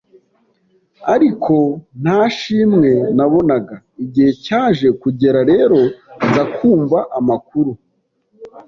ariko nta shimwe nabonaga, igihe cyaje kugera rero nza kumva amakuru